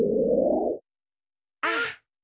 あっ。